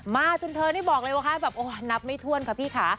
จนเธอนี่บอกเลยว่าคะแบบโอ้นับไม่ถ้วนค่ะพี่ค่ะ